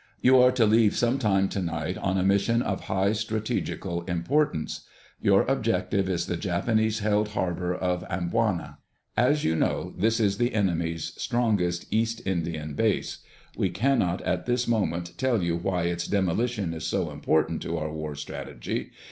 You are to leave sometime tonight on a mission of high strategical importance. Your objective is the Japanese held harbor of Amboina. As you know, this is the enemy's strongest East Indian base. We cannot at this moment tell you why its demolition is so important to our war strategy.